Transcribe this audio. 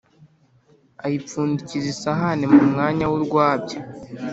ayipfundikiza isahani mu mwanya w’urwabya.